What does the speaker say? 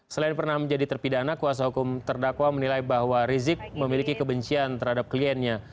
selain pernah menjadi terpidana kuasa hukum terdakwa menilai bahwa rizik memiliki kebencian terhadap kliennya